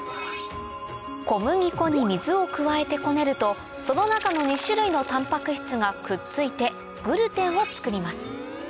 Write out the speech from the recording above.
小麦粉に水を加えてこねるとその中の２種類のタンパク質がくっついてグルテンを作ります